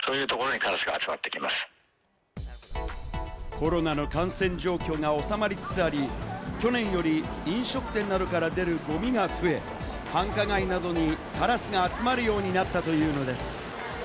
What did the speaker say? コロナの感染状況がおさまりつつあり、去年より飲食店などから出るゴミが増え、繁華街などにカラスが集まるようになったというのです。